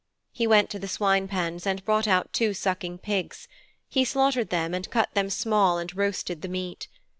He went to the swine pens and brought out two sucking pigs; he slaughtered them and cut them small and roasted the meat.